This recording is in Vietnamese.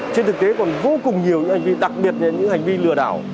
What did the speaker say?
trên thực tế còn vô cùng nhiều những hành vi đặc biệt là những hành vi lừa đảo